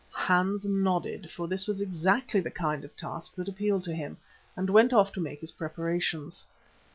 Hans nodded, for this was exactly the kind of task that appealed to him, and went off to make his preparations.